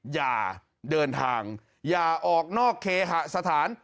อย่าเดินทางอย่าออกนอกเคหสถาน